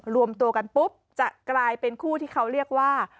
รวมตัวกันปุ๊บจะกลายเป็นคู่ที่เขาเรียกว่า